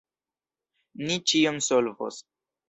Ni ĉion solvos.